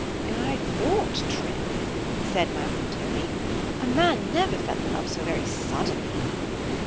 I thought, Trim, said my uncle Toby, a man never fell in love so very suddenly.